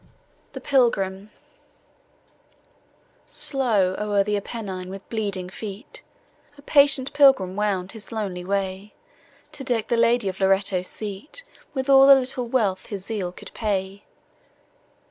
THE PILGRIM* Slow o'er the Apennine, with bleeding feet, A patient Pilgrim wound his lonely way, To deck the Lady of Loretto's seat With all the little wealth his zeal could pay.